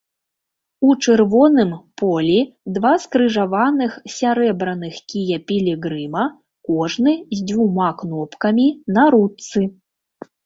У чырвоным полі два скрыжаваных сярэбраных кія пілігрыма, кожны з дзвюма кнопкамі на ручцы.